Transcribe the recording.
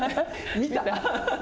見た。